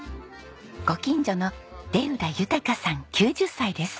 ご近所の出浦豊さん９０歳です。